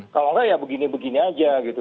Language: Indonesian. kalau enggak ya begini begini aja gitu